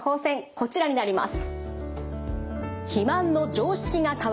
こちらになります。